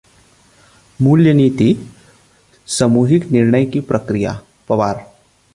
मूल्य नीति समूहिक निर्णय की प्रक्रिया: पवार